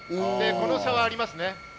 この差はありますね。